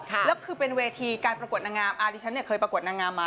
แล้วคือเป็นเวทีการประกวดนางงามอ่าดิฉันเนี่ยเคยประกวดนางงามมา